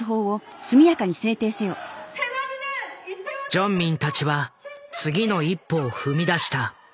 ジョンミンたちは次の一歩を踏み出した。